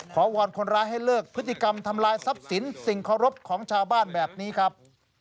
วอนคนร้ายให้เลิกพฤติกรรมทำลายทรัพย์สินสิ่งเคารพของชาวบ้านแบบนี้ครับ